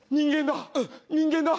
人間だ。